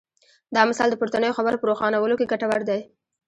دا مثال د پورتنیو خبرو په روښانولو کې ګټور دی.